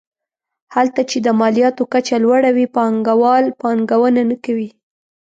هلته چې د مالیاتو کچه لوړه وي پانګوال پانګونه نه کوي.